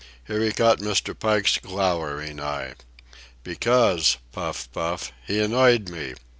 Here he caught Mr. Pike's glowering eye. "Because"—puff, puff—"he annoyed me.